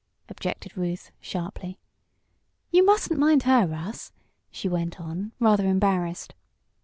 objected Ruth, sharply. "You mustn't mind her, Russ," she went on, rather embarrassed.